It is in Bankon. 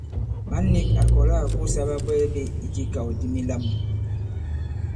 Mǎn nīk à kɔ̀la à kosā ɓabwɛɛ ɓē ijē ikàw di milām.